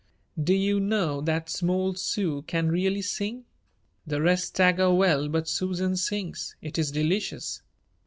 Do you know that small Sue can really sing? The rest stagger well but Susan sings. It is delicious.